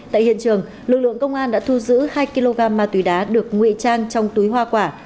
tại hiện trường lực lượng công an đã thu giữ hai kg ma túy đá được nguy trang trong túi hoa quả